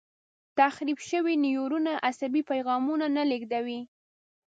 تخریب شوي نیورونونه عصبي پیغامونه نه لېږدوي.